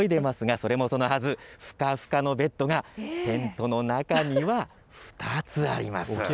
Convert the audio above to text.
それもそのはず、ふかふかのベッドの中には２つあります。